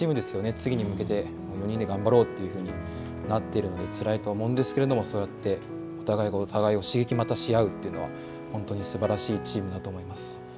次に向けて４人で頑張ろうとなっているんでつらいと思うんですけれどもそうやってお互いがお互いをまた刺激し合うというのは本当にすばらしいチームだと思います。